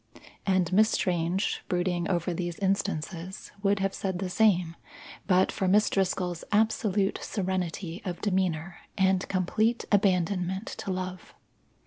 And Miss Strange, brooding over these instances, would have said the same, but for Miss Driscoll's absolute serenity of demeanour and complete abandonment to love.